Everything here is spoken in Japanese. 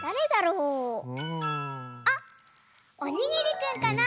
うん。あっおにぎりくんかな？